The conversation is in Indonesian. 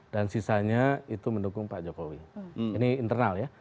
dan sisanya itu mendukung pak jokowi ini internal ya